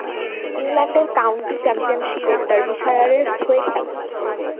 ইংল্যান্ডের কাউন্টি চ্যাম্পিয়নশীপে ডার্বিশায়ারের হয়ে খেলেন।